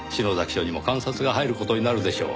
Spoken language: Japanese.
署にも監察が入る事になるでしょう。